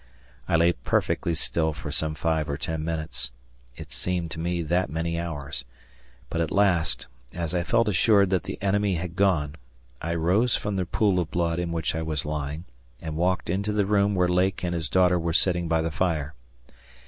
I lay perfectly still for some five or ten minutes it seemed to me that many hours but at last, as I felt assured that the enemy had gone, I rose from the pool of blood in which I was lying and walked into the room where Lake and his daughter were sitting by the fire.